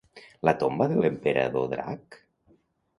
La tomba de l'emperador drac?